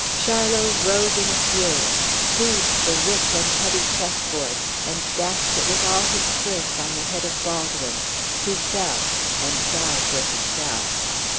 Charlot rose in a fury, seized the rich and heavy chess board, and dashed it with all his strength on the head of Baldwin, who fell, and died where he fell.